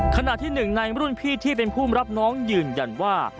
ขณะที่หนึ่งในรุ่นพี่ที่เป็นผู้รับน้องยืนยันว่า